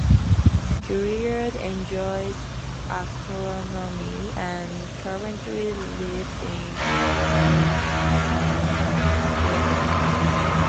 Julliard enjoys astronomy and currently lives in Lausanne, Switzerland.